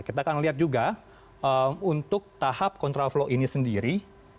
kita akan lihat juga untuk tahap kontraflow ini sendiri